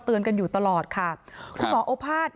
เตือนกันอยู่ตลอดค่ะคุณหมอโอภาษย์